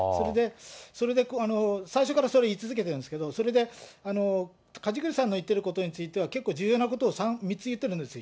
それで最初からそれ、言い続けているんですけれども、それで梶栗さんの言ってることについては、結構重要なことを３つ言ってるんです。